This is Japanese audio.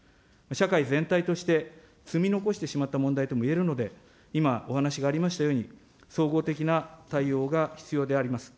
社会全体として、積み残してしまった問題ともいえるので、今、お話がありましたように総合的な対応が必要であります。